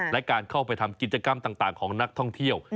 และการเข้าไปทำกิจกรรมต่างของนักท่องเที่ยว